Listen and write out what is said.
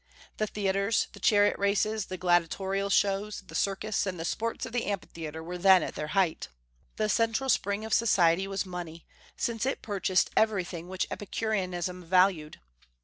The theatres, the chariot races, the gladiatorial shows, the circus, and the sports of the amphitheatre were then at their height. The central spring of society was money, since it purchased everything which Epicureanism valued.